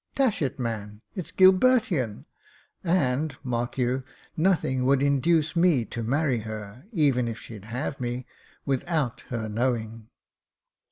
Dash ity man, it's Gilbertian! And, mark you, nothing would induce me to marry her — even if she'd have me — ^without her knowing."